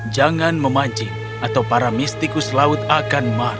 jangan memancing atau para mistikus laut akan marah